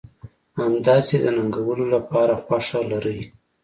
همداسې د ننګولو لپاره خوښه لرئ.